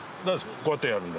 こうやってやるんで。